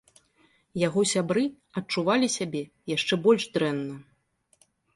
Яго сябры адчувалі сябе яшчэ больш дрэнна.